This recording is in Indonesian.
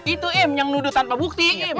itu im yang nuduh tanpa bukti im